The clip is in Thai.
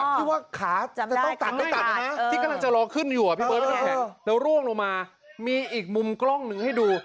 ที่ว่าขาจะต้องตัดต้องตัดนะที่กำลังจะรอขึ้นอยู่อ่ะพี่เบิร์พี่น้ำแข็งแล้วร่วงลงมามีอีกมุมกล้องหนึ่งให้ดู